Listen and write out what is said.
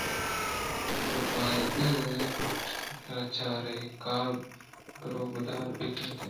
تو باید اِنت آئی ءَ را چہ اے کار ءَ گرءُدار بہ کُتیں